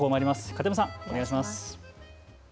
片山さん、お願いします。